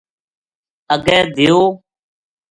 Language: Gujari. اگے دیو